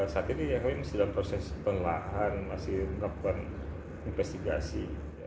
saat ini ya mungkin sedang proses penelahan masih melakukan investigasi